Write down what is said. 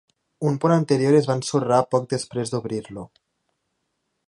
Un pont anterior es va ensorrar poc després d'obrir-lo.